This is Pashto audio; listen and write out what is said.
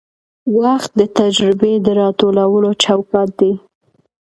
وخت د تجربې د راټولولو چوکاټ دی.